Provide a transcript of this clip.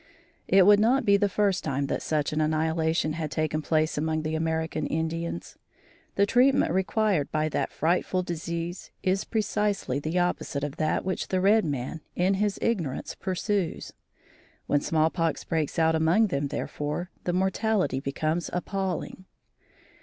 It would not be the first time that such an annihilation has taken place among the American Indians. The treatment required by that frightful disease is precisely the opposite of that which the red man in his ignorance pursues. When small pox breaks out among them, therefore, the mortality becomes appalling.